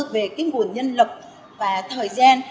về cái nguồn nhân lực và thời gian